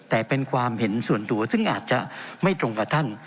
แต่เป็นความเห็นส่วนตัวซึ่งอาจจะไม่ตรงกับท่าน